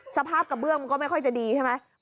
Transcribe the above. สภาพกระเบื้องมันก็ไม่ค่อยจะดีใช่ไหม